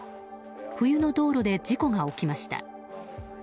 冬の道路で事故が起きました。